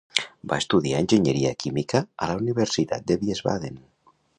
Va estudiar enginyeria química a la Universitat de Wiesbaden.